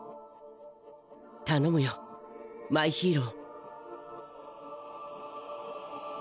頼むよマイヒーロー。